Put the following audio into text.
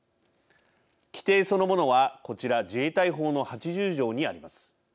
規定そのものは、こちら自衛隊法の８０条にあります。